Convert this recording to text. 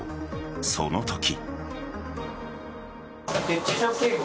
そのとき。